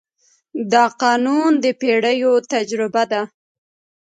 دا قانون د پېړیو تجربه ده.